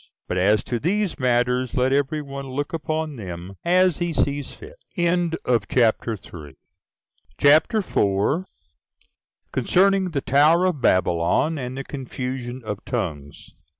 But as to these matters, let every one look upon them as he thinks fit. CHAPTER 4. Concerning The Tower Of Babylon, And The Confusion Of Tongues.